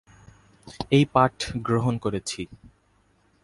এই পাঠ করেছি গ্রহণ।